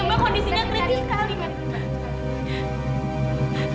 mbak kondisinya kreatif sekali mbak